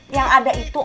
yang ada itu